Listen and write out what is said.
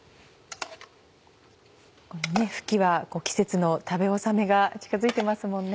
このふきは季節の食べ納めが近づいてますもんね。